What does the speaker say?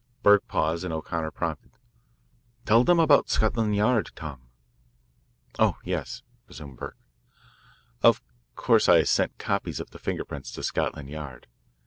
Burke paused, and O'Connor prompted, "Tell them about Scotland Yard, Tom." "Oh, yes," resumed Burke. "Of course I sent copies of the finger prints to Scotland Yard.